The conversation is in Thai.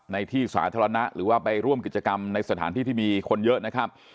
ในที่สาธารณะหรือว่าไปร่วมกิจกรรมในสถานที่ที่มีคนเยอะนะครับ